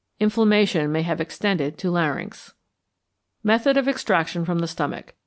Inflammation may have extended to larynx. _Method of Extraction from the Stomach.